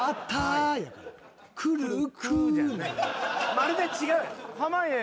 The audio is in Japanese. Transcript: まるで違うやろ。